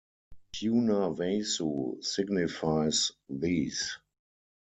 Punarvasu signifies these.